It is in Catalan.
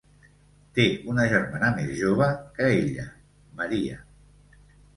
Té una germana més jove que ella, Maria.